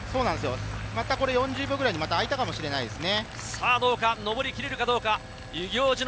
また４０秒くらいに開いたかもしれませんね。